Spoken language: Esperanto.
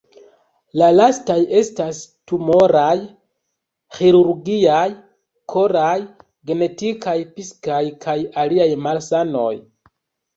La lastaj estas tumoraj, ĥirurgiaj, koraj, genetikaj, psikaj kaj aliaj malsanoj.